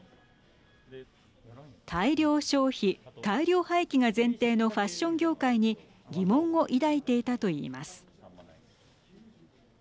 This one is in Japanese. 大量消費・大量廃棄が前提のファッション業界に疑問を抱いていたと言います。